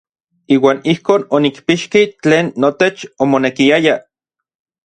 Iuan ijkon onikpixki tlen notech omonekiaya.